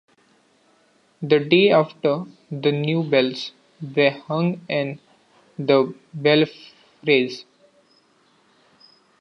The day after, the new bells were hung in the belfries.